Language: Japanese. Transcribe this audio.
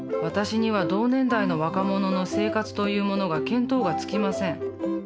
私には同年代の若者の生活というものが見当がつきません。